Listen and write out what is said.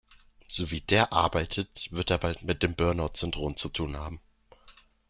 So wie der arbeitet, wird er bald mit dem Burnout-Syndrom zu tun haben.